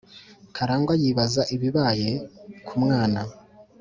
Karagwa yibaza ibibaye ku mwana